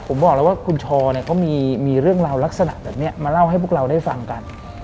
ผมบอกแล้วว่าคุณชอเนี่ยเขามีเรื่องราวลักษณะแบบนี้มาเล่าให้พวกเราได้ฟังกัน